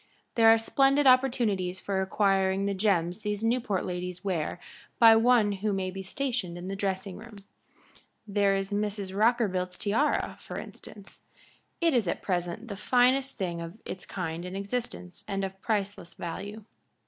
"There are splendid opportunities for acquiring the gems these Newport ladies wear by one who may be stationed in the dressing room. There is Mrs. Rockerbilt's tiara, for instance. It is at present the finest thing of its kind in existence and of priceless value.